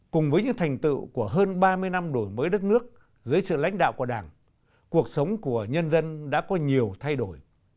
cùng với những thành tựu của hơn ba mươi năm đổi mới đất nước dưới sự lãnh đạo của đảng cuộc sống của nhân dân đã có nhiều thay đổi